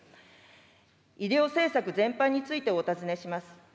医療政策全般についてお尋ねします。